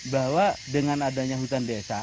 bahwa dengan adanya hutan desa